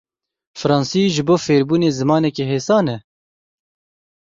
Fransî ji bo fêrbûnê zimanekî hêsan e?